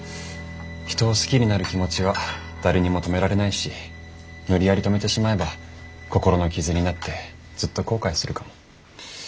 人を好きになる気持ちは誰にも止められないし無理やり止めてしまえば心の傷になってずっと後悔するかも。